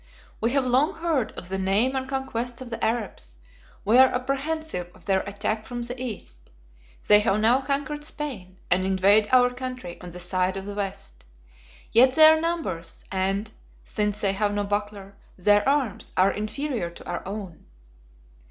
We have long heard of the name and conquests of the Arabs: we were apprehensive of their attack from the East; they have now conquered Spain, and invade our country on the side of the West. Yet their numbers, and (since they have no buckler) their arms, are inferior to our own."